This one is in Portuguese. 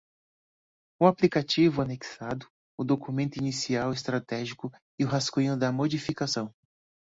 O aplicativo, anexado, o Documento Inicial Estratégico e o rascunho da Modificação.